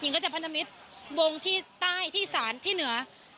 ก็จะพันธมิตรวงที่ใต้ที่ศาลที่เหนือ